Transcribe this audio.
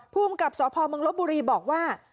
ภูมิกับสพเมืองลบบุรีบอกว่า